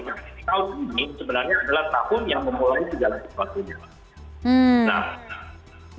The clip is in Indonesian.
nah tahun ini sebenarnya adalah tahun yang memulai segala sesuatunya